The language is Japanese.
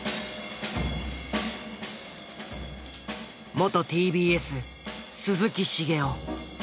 元ＴＢＳ鈴木茂夫。